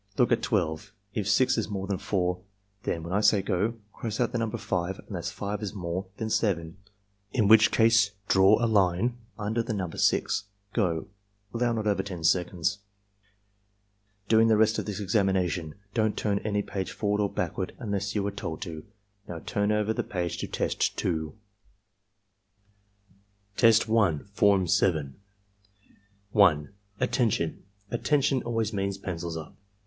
Look at 12. If 6 is more than 4, then (when I say 'go') cross out the number 5 unless 5 is more than 58 ARMY MENTAL TESTS 7, in which case draw a line under the number 6. — Go! " (Allow not over 10 seconds.) "During the rest of this examination don't turn any page forward or backward unless you are told to. Now turn over the page to Test 2." Test 1, Form 7 1. "Attention! 'Attention' always means 'Pencils up.'